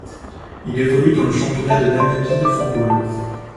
Il évolue dans le championnat de Namibie de football.